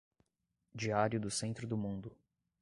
Diário do Centro do Mundo